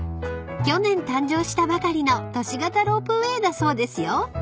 ［去年誕生したばかりの都市型ロープウエーだそうですよ］